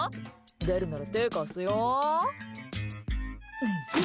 出るなら手貸すよ？